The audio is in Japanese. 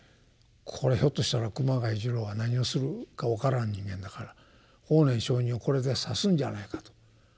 これひょっとしたら熊谷次郎は何をするか分からん人間だから法然上人をこれで刺すんじゃないかと。